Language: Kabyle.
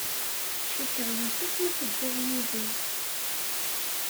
Cukkeɣ yif-it ma teddiḍ yid-i.